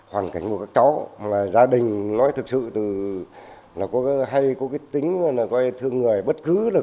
hoàn cảnh của các cháu gia đình nói thực sự hay có tính thương người bất cứ